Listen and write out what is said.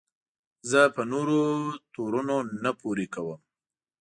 زه په نورو تورونه نه پورې کوم.